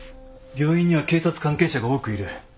病院には警察関係者が多くいる。